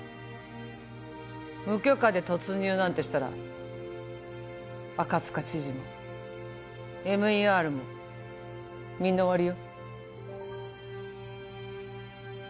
無許可で突入なんてしたら赤塚知事もＭＥＲもみんな終わりよ